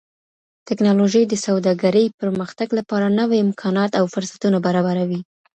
ټکنالوژي د سوداګرۍ پرمختګ لپاره نوي امکانات او فرصتونه برابروي.